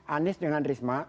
anies dengan risma